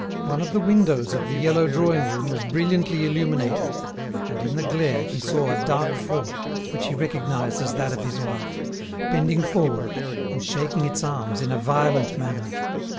One of the windows of the yellow drawing room was brilliantly illuminated, and, in the glare, he saw a dark form, which he recognized as that of his wife, bending forward, and shaking its arms in a violent manner.